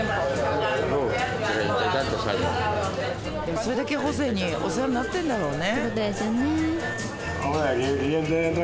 それだけホセにお世話になってんだろうね。